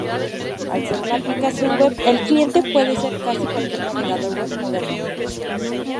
Al ser una aplicación web el cliente puede ser casi cualquier navegador web moderno.